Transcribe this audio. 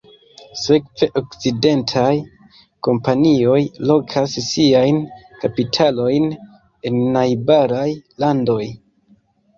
Sekve, okcidentaj kompanioj lokas siajn kapitalojn en najbaraj landoj.